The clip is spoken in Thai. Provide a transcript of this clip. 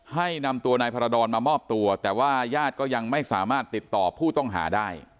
ให้นำตัวนายพรดรมามอบตัวแต่ว่าญาติก็ยังไม่สามารถติดต่อผู้ต้องหาได้